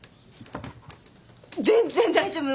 全然大丈夫。